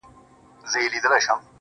چې څوک بد کړي هغه بد دی